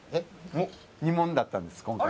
２問だったんです今回。